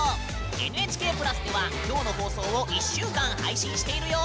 「ＮＨＫプラス」ではきょうの放送を１週間配信しているよ。